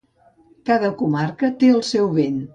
Cada comarca té el seu vent.